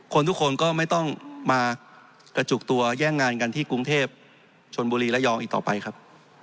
ทุกคนก็ไม่ต้องมากระจุกตัวแย่งงานกันที่กรุงเทพชนบุรีระยองอีกต่อไปครับ